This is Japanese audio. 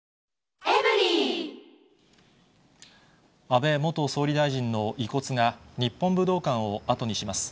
安倍元総理大臣の遺骨が日本武道館を後にします。